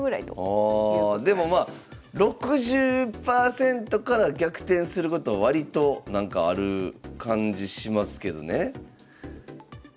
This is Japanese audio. ああでもまあ６０％から逆転すること割となんかある感じしますけどね。